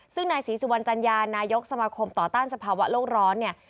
ซึ่งนายศรีสุวรรณจัญญานายกสมาคมต่อต้านสภาวะโลกร้อนเนี่ย